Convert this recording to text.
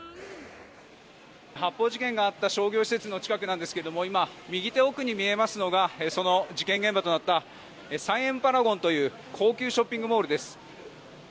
発砲事件があった商業施設の近くなんですけども今、右手奥に見えますのがその事件現場となったサイエン・パラゴンという高級ショッピングモールです。